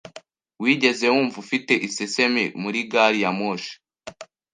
Wigeze wumva ufite isesemi muri gari ya moshi